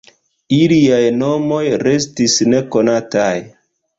Iliaj nomoj restis nekonataj.